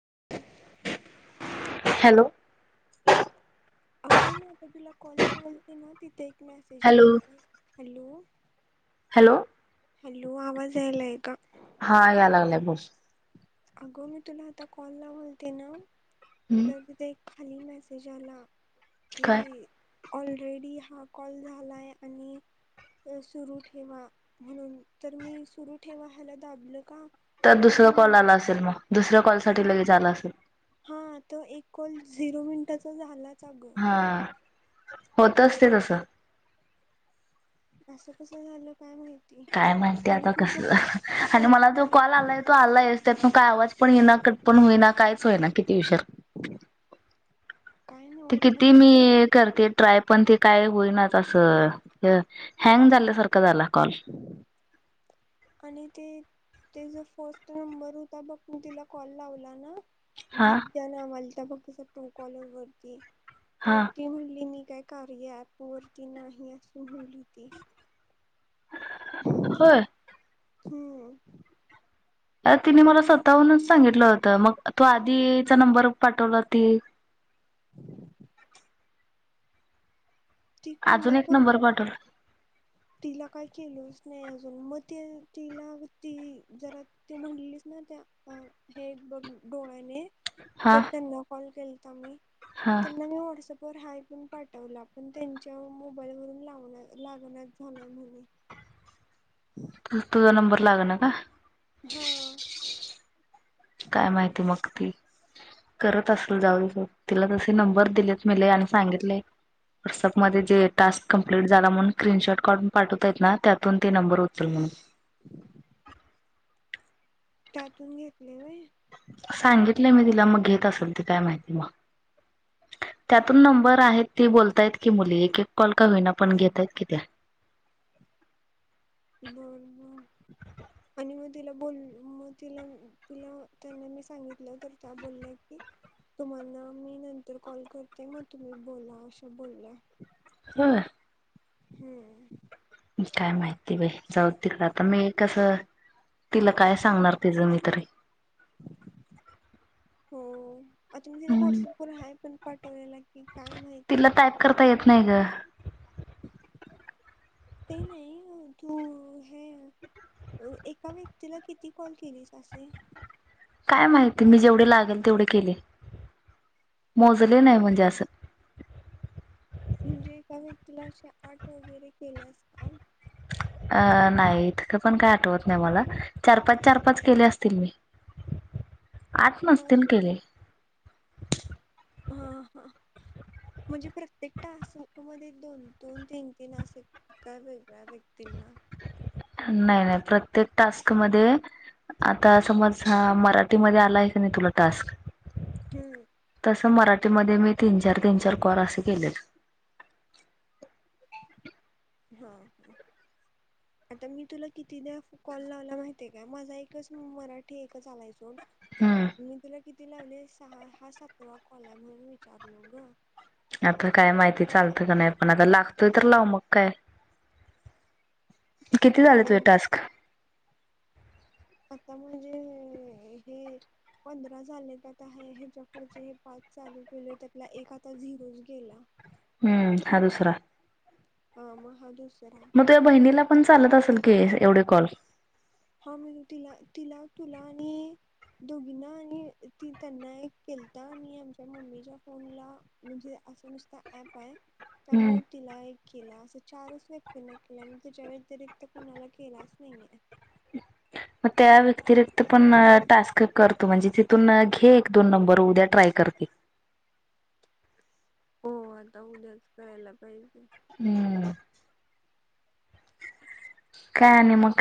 [inaudible] Hello? अगं मी आता तुला कॉल लावालती ना तिथं एक मेसेज हॅलो आलता बाई. हॅलो? हॅलो? हॅलो आवाज यायलाय का? हां याय लागलाय बोल. अगं मी तुला आता कॉल लावालती ना हम्म तर तिथं एक खाली मेसेज आला की काय ऑलरेडी हा कॉल झाला आहे आणि सुरू ठेवा म्हणून तर मी सुरु ठेवा ह्याला दाबलं का तर दुसरा आणि कॉल नंतर आला असेल मग, दुसऱ्या कॉलसाठी लगेच आला असेल हां त एक कॉल झिरो मिनिटाचा झाला हां होत असतंय तसं असं कसं झालं? काय माहिती काय माहिती आणि आता तू ते कसं आणि फर्स्ट मला तो कॉल नंबर आला आहे तो आलायच मग काय आवाज पण येईना, ना कट पण होईना कायच होईना किती विषार काय ते नवच आणि किती तू मी जे करते ट्राय पण ते काय होईनाच असं हे हँग झाल्यासारखं झाला. कॉल आणि ते. ते जो फोस्ट नंबर होता बघ. तू तिला कॉल लावला ना हा विद्या नावाची. ट्रू कॉलर वरती हा तर ती म्हणली मी. त्या कार्या ॲप वरती नाही अस बोली ती. होय. हम्म. अ. तिने मला स्वतःहूनच सांगितलं होतं. मग तो आधीचा नंबर पाठवला ती. ती अजून एक कोल्हापूर नंबर पाठवला. तिला काय केलंलच नाही अजून. मग ते तिला ती जरा तू म्हणलीच ना. त्या हे एक बघ डोळ्याने. हा तर त्यांना कॉल केलता मी हा त्यांना मी वॉट्सअप. वर हाय पण पाठवला. पण त्यांच्या मोबाईलवरून लावणार लागणार. भलाय भले [unintelligible] तुझा नंबर लाग ना का. हा. काय माहिती मग ती. करत असेल जाऊन मग तिला तसे नंबर दिले आणि सांगितले व्हाट्सअप मध्ये जे टास्क कंप्लीट झाला म्हणून. स्क्रीनशॉट काढून पाठवतायेत ना त्यातून ते नंबर उचल म्हणून. अ [unintelligible] त्यातून घेतले वय. सांगितलं मी तिला मग घेत असेल. घेत असल ती काय माहिती मग. [unintelligible] त्यातून नंबर आहेत ती बोलतायत की मुली एक एक कॉल का होईना पण घेतायत कि त्या. [unintelligible] आणि मग तिला बोल मग तिला तिला त्यांना मी सांगितलं. तर त्या बोलल्या की तुम्हाला मी नंतर कॉल करते. मग तुम्ही बोला अशा बोलल्या. [unintelligible] हम्म. काय माहिती बाई जाऊ तिकड आता मी कसं तिला काय सांगणार तिचं मी तरी? हो आता म ति व्हॉट्सअप वर आहे पण पा तिला टाईप करता येत नाही ग. ते नाही तू हे एका व्यक्तीला किती कॉल केलीस असे? काय माहिती मी जेवढे लागेल तेवढे केले. मोजले नाही म्हणजे असं. म्हणजे एका व्यक्तीला असे आट वगैरे केले अस का? अ नाहीथ का पण काय आठवत नाही, मला चार पाच चार पाच केले असतील मी. [unintelligible] आठ हा नसतील केले. हा हा. म्हणजे प्रत्येक टास्क मध्ये दोन दोन तीन तीनस वेगळ्या व्यक्तींना.. नाही नाही प्रत्येक टास्क मध्ये आता समज मराठीमध्ये आला आहे की नाही तुला टास्क. हम्म तसं मराठी मध्ये मी तीन चार तीन चार कर असे केले. हा ह. आता मी तुला किती कॉल लावला माहितीय का माझा एकच मराठी एकच आलायचो. हम्म मी तुला किती लावले सहा हा सातवा कॉल म्हणून विचारल ग. आता काय माहिती चालतं का नाही पण अग लागतोय तर लावू मग काय.. [unintelligible] किती हो झालं तुझ टास्क? आता म्हणजे हे पंधरा झाले त्या आहे ह्याच्याकढचे हे पाच चालू केले हो त्यातला एक आता झिरो गेला. हम्म हा दुसरा. ह म दूस मग तुझ्या बहिणीला पण चालत असेल की एवढे कॉल? ह म तिला तिला तुला आणि दोघीना आणि ती त्यांना एक केलता आणि आमच्या मम्मीच्या फोन ला म्हणजे असं नुसता ऍप आहे, हम्म त्यामुळे तिला एक केला असं चारच व्यक्तींना केलंय म्ह त्याच्या व्यतिरिक्त कुणाला केलाच नाही. मग त्या व्यतिरिक्त पण टास्क करतो. त म्हणजे तिथून घे एक दोन नंबर उद्या ट्राय कर की. हो आता उद्याच करायला पाहिजे. हम्म. काय आणि मग?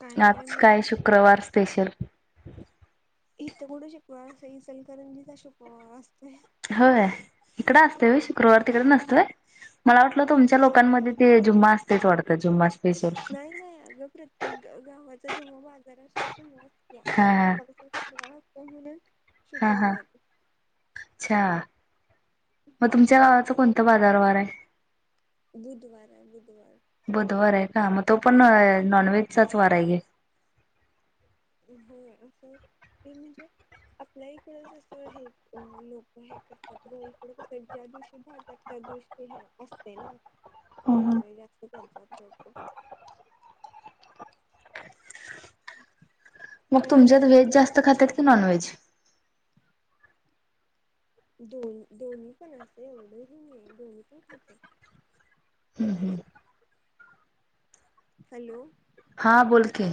काही नाही आज बाई काय शुक्रवार स्पेशल? इथं कुठं शुक्रवार इलकरंजीचा शुक्रवार असतोय. होय इकडं असत शुक्रवार तिकडे नसतय.? मला वाटलं तुमच्या लोकांमध्ये ते जुम्मा असत वाडत जुम्मा असत नाही नाही अग प्रत्येक गावाचा जेव्हा बाजार असतोय तेव्हा या हा हा. आपल्याा शुकारल हा हा शुक्रवारी. अच्छा मग तुमच्या गावाच कोणतं बाजारवार आहे? बुधवार आहे बुधवार. बुधवार आहे का मग तो पण नॉन व्हेजचाच वार आहे. हो असं ते म्हणजे.. आपल्या इकड जसं हे अ लोक हे करतात क इकड कस ज्या दिवशी भाजतात गोष्टी असते ना. हो जास्त करतात ग. मग आता तुमच्यात माझी व्हेज तीन जास्त खातात की नॉनव्हेज? दोन दोन्ही पण असतयं. एवढं हे नाही दोन्ही पण खात्यात. हम्म हम्म. हॅलो. हां बोल की.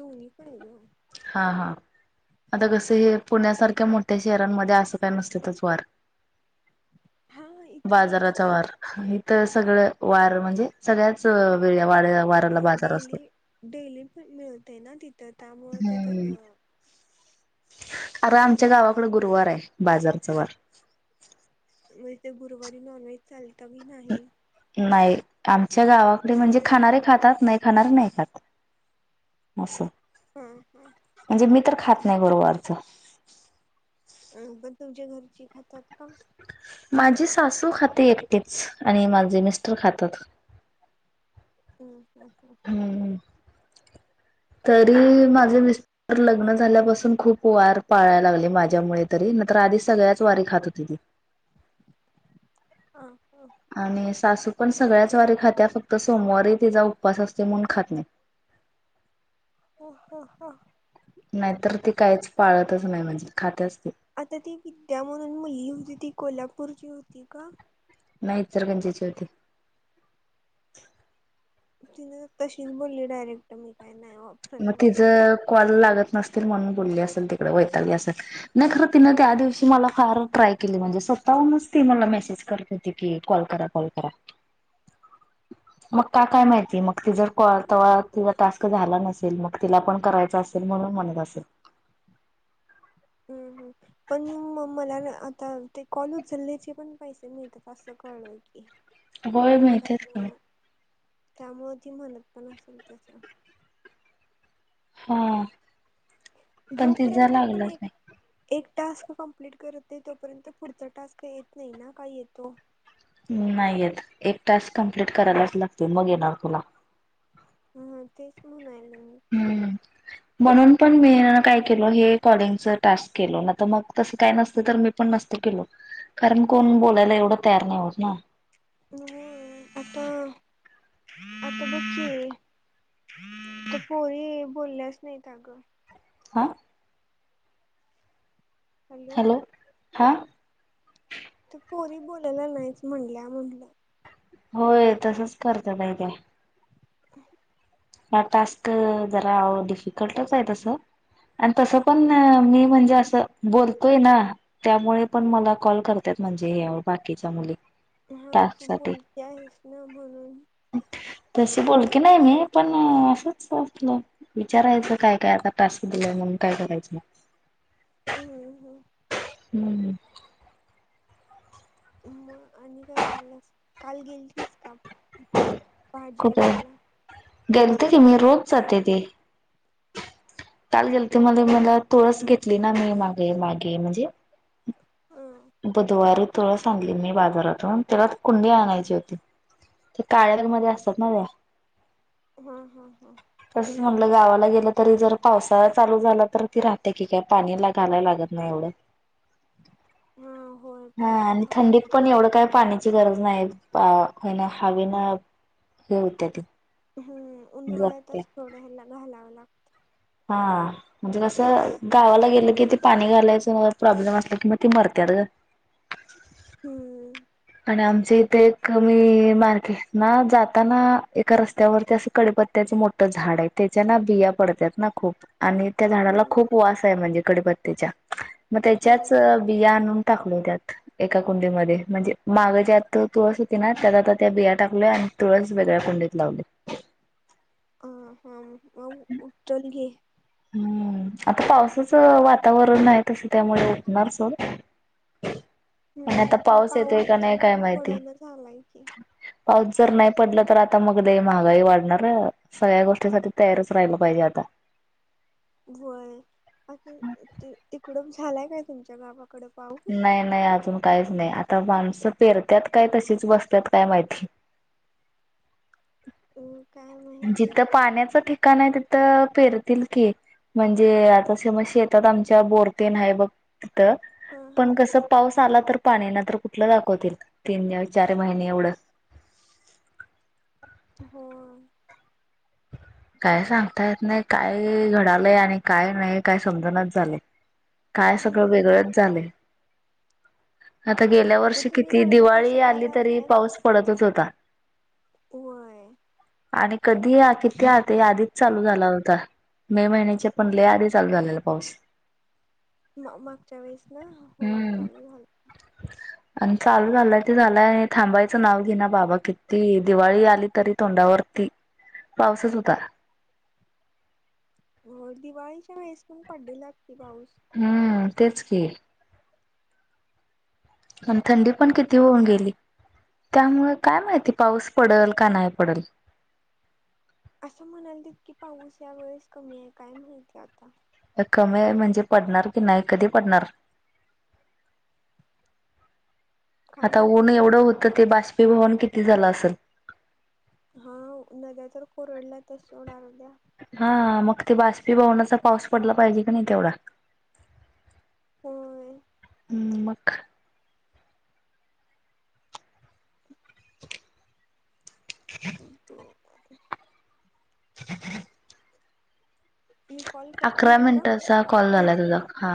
दोनी पण गं. हा हा. आता कसं हे पुण्यासारख्या मोठ्या शहरांमध्ये असं काय नसत्यातच वार. हा इथं बाजाराचा आप वार. तर सगळ वार म्हणजे सगळ्याच वेळ - - अ डेली डेली पण मिळतय ना तिथं त्यामुळं ते तसं अर आमच्या गावाकडे गुरुवार हाय बाजारचा वार. म्हणजे ते गुरुवारी नॉन व्हेज चालत [unintelligible] नाही. नाही आमच्या गावाकडे म्हणजे खाणारे खातात. नाही खाणारे नाही खात असं. हम्म हम्म. म्हणजे मी तर खात नाही गुरुवारच. अ पण तुमच्या घरची खातात का? माझी सासू खाते एकटिच आणि माझे मिस्टर खातात. हम्म. हम्. हम्. हम्म [unintelligible] तरी माझे मिस्टर लग्न झाल्यापासून खूप वार पाळायला लागले माझ्यामुळे तरी. तर आधी सगळ्याच वारी खात होतत ती. [unintelligible] आणि सासू. पण सगळ्याच वारी खात्या फक्त सोमवारी तिचा उपवास असतोय म्हणून खात नाही. ह हा. हा. नाहीतर ती काहीच पाळतच नाही. म्हणजे खात्याच. ती आता ती विद्या म्हणून मुलगी होती ती. कोल्हापूरची होती का? नाही ती इचलकरंजीची होती. ति तशीच बोलली डायरेक्ट मी काय नाही मग वापरत म्हणून तिचं कॉल लागत. नसतील म्हणून बोलली असेल तिकडे. असल वैतागली असेल नाही खर तिन त्या दिवशी मला फार ट्राय केली म्हणजे स्वतहूनच ती मला मेसेज करत होती की. कॉल करा. कॉल करा. [unintelligible] मग का काय माहिती मग. मग तिजा जर कॉल तेव्हा टास्क झाला नसेल. तील मग तिला पण करायच असेल. म्हणून म्हणत असेल. हम्. पण म मला आता. ते कॉल मेसेज पण पैसे मिळतात असं कळलं की. होय माहितीयेच की. त्यामुळं त्यामुळे ती म्हणत पण असेल त्याच. हा. पण तिझ जोपर्यंत आपण लागलंच एक नाही. एक टास्क कम्प्लीट करत नाही तोपर्यंत पुढचा टास्क येत नाही ना काय येतो? नाही येत. एक टास्क कम्प्लीट करायलाच लागतो. मग येणार तुला. हा तेच म्हणायले. मी हम्म. म्हणून पण मी काय केलो हे कॉलिंगच टास्क केलो. ना तर मग तसं काय नसतं तर मी पण नसते - - केलो कारण कोण बोलायला एवढं तयार नाही होत ना. आता आता बघकि. त्या पोरी बोलल्याच नाहीत आगं. आ. हॅलो हां तू पो री बोलाला नाहीच म्हणल्या म्हटलं होय तसच करत नाही ते हा टास्क जरा डिफिकल्टच आहे तस आणि तसं पण मी म्हणजे असं बोलतोय ना त्यामुळे पण मला कॉल करत म्हणजे हे बाकीच्या मुली हा टास्क तू साठी बोलती आहेस ना म्हणून तशी बोल की नाही मी पण असंच! असलं विचारायच काय काय आता टास्क दिलंय म्हणून काय करायचं. हम्म हम्म हं हं मग आणि काय करायला काल गेलतीस का भाजी आणायला. तरी मी रोज जाते ते [unintelligible] काल गेल ते मध्ये मला तुळस घेतली ना मी मागे मागे म्हणजे हा बुधवारी तुळस आणली मी बाजारातून त्याला कुंडी आणायची होती. ते काळ्या रंगामध्ये असतात ना त्या हा हा हा म्हणल गावाला गेलं तरी जर पावसाळा चालू झाला तर ती राहते की काय पाणी ला घालायला लागत नाही एवढं [unintelligible] हा होय हा पाऊस आणि थंडीत पावसात पण एवढं राहतात काय पाण्याची गरज नाही. अ हो ना हवे ना हे होत ते हंहं उन्हाळ्यातच थोडं ह घालावं लागतं हा म्हणजे कसं गावाला गेलं की ते पाणी घालायचं प्रॉब्लेम असला कि मग त मरतेत ग हं हं आमचे इथे एक मी मार्केट ना जाताना एका रस्त्यावरती असे कडिपत्त्याचे मोठं झाड आहे त्याच्या ना बिया पडतात ना खूप आणि त्या झाडाला हम्म खूप वास आहे म्हणजे कडीपत्तेच्या मग हा त्याच्याच बिया आणुन टाकलो त्यात एका कुंडीमध्ये म्हणजे माग ज्यात तुळस होती ना त्यात आता त्या बिया टाकल्या आणि तुळस वेगळ्या कुंडीत लावली. ह हा उचल घे. हम्म आता पावसाच वातावरण आहे तसं त्यामुळे ऊठणारच हो. हं पण पाऊस का नाही काय अजून माहिती. पडण झालाय की. पाऊस जर नाही पडला तर आता मग लय महागाई वाढणार सगळ्या गोष्टीसाठी तयारच राहिलं पाहिजे आता वय [unintelligible] तिकडं झालाय काय तुमच्या बाबा नाही, नाही अजून काहीच नाही आता माणस त पेरतात काय तशीच बसतात काय माहिती. हो काय‌. जिथं पाण्याचं ठिकाण आहे तिथं पेरतील की म्हणजे आता समज शेतात आमच्या बोर ते आहे बघ तिथं हा हा पण कसं पाऊस पाऊस आला तर पाणी ना तर कुठलं दाखवतील तीन चार महिने एवढं‌ हो काय सांगता येत नाही काय घडालंय आणि काय नाही काय समजणाच झालंय. काय सगळं हम्म वेगळंच झालंय. आता गेल्या मग वर्षी तुम्ही किती रानात दिवाळी असं का आली तरी लावताय? पाऊस पडतच होता. होय. आणि कधी ही किती आधी आधीच चालू झाला होता मे महिन्याच्या पण लय आधी चालू झालेला पाऊस. म मागच्या वेळेस ना हो हम्म. चालू झालता. आणि चालू झालंय ते झालंय थांबायचं नाव घिना बाबा किती दिवाळी आली तरी तोंडावरती [inaudible] पाऊसच होता. हो दिवाळीच्या वेळेस पण पडलेला की पाऊस. हम्म तेच कि. आणि थंडी पण किती होऊन गेली. त्यामुळे काय माहिती पाऊस पडल का नाही पडल. असं म्हणाल तितकी पाऊस या वेळेस कमी हाय काय माहितीय आता. कमी म्हणजे पडणार की नाही. कधी पडणार? [inaudible] आता माहिती ऊन जे एवढं होतं. ते बाष्पी भवन किती झालं असेल हा. नद्या तर कोरडल्या तच सोडा. हा. मग ते बाष्पीभवनाचा पाऊस पडला पाहिजे की नाही तेवढा. होय. मग. [inaudible] [inaudible] [inaudible] मी कॉल कट अकरा करू का? मिनिटाचा कॉल झालाय तेच की तुझा हा.